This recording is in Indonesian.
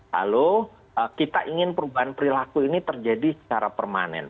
lalu kita ingin perubahan perilaku ini terjadi secara permanen